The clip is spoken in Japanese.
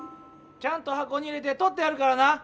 ちゃんとはこに入れてとってあるからな！